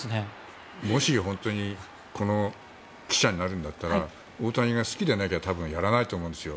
もし本当にこの記者になるんだったら大谷が好きでなきゃ多分やらないと思うんですよ。